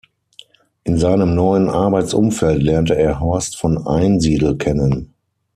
In seinem neuen Arbeitsumfeld lernte er Horst von Einsiedel kennen.